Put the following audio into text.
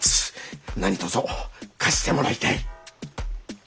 何とぞ貸してもらいたい！